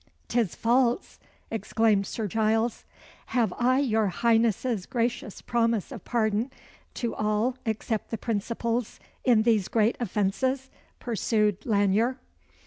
"'Tis false!" exclaimed Sir Giles. "Have I your Highness's gracious promise of pardon to all except the principals in these great offences?" pursued Lanyere.